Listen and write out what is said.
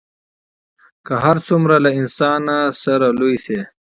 که هر څومره له انسانه سره لوی سي